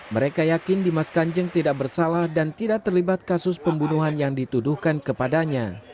mereka yakin dimas kanjeng tidak bersalah dan tidak terlibat kasus pembunuhan yang dituduhkan kepadanya